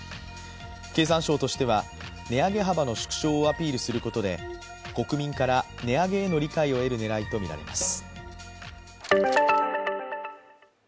経産省としては値上げ幅の縮小をアピールすることで国民から値上げへの理解を得る狙いとみられます。